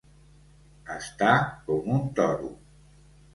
Estar com un toro.